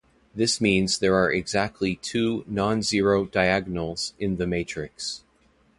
This means there are exactly two non zero diagonals in the matrix.